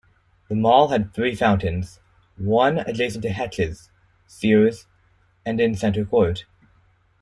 The mall had three fountains, one adjacent to Hecht's, Sears, and in center court.